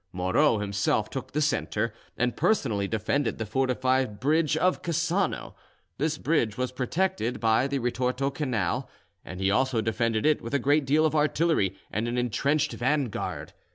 Moreau himself took the centre, and personally defended the fortified bridge of Cassano; this bridge was protected by the Ritorto Canal, and he also defended it with a great deal of artillery and an entrenched vanguard.